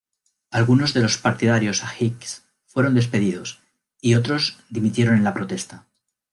Algunos de los partidarios a Hicks fueron despedidos y otros dimitieron en protesta.